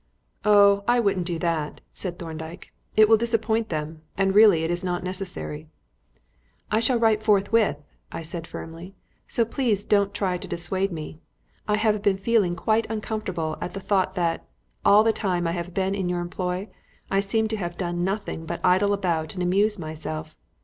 "Oh, I wouldn't do that," said Thorndyke; "it will disappoint them, and really it is not necessary." "I shall write forthwith," I said firmly, "so please don't try to dissuade me. I have been feeling quite uncomfortable at the thought that, all the time I have been in your employ, I seem to have done nothing but idle about and amuse myself.